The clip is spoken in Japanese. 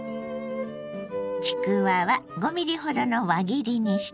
ちくわは５ｍｍほどの輪切りにしてね。